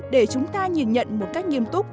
để chúng ta nhìn nhận một cách nghiêm túc